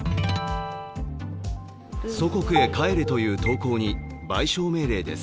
祖国へ帰れという投稿に賠償命令です。